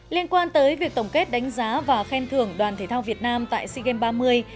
liên quan tới việc tổng kết đánh giá và khen thưởng đoàn thể thao việt nam tại sea games ba mươi